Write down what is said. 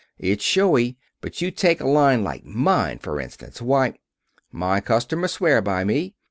It's showy, but you take a line like mine, for instance, why " "My customers swear by me.